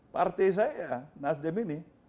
partai saya nasdem ini